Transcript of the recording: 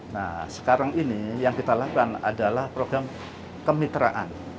nah sekarang ini yang kita lakukan adalah program kemitraan